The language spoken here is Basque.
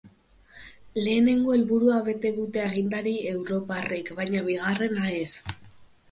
Lehenengo helburua bete dute agintari europarrek baina bigarrena ez.